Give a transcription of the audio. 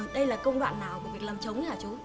đây là công đoạn nào của việc làm trống này hả chú